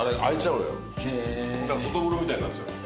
外風呂みたいになっちゃうの。